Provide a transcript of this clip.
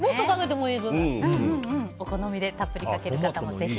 お好みでたっぷりかける方もぜひ。